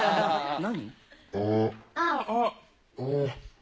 何？